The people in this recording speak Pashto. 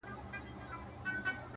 خو خپه كېږې به نه’